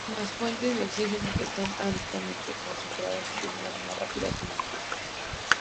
Las fuentes de oxígeno que están altamente concentradas estimulan una rápida combustión.